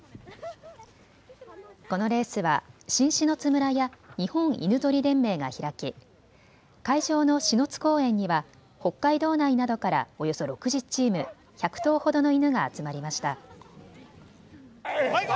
このレースは新篠津村や日本犬ぞり連盟が開き会場のしのつ公園には北海道内などからおよそ６０チーム、１００頭ほどの犬が集まりました。